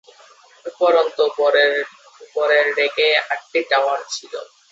উপরন্তু, উপরের ডেকে আটটি টাওয়ার ছিলো।